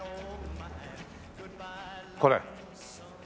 これ。